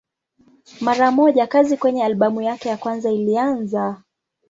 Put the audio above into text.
Mara moja kazi kwenye albamu yake ya kwanza ilianza.